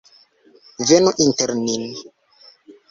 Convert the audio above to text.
Venu inter nin!